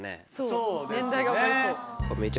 そう年代が分かりそう。